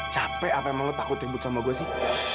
capek apa emang lo takut ribut sama gue sih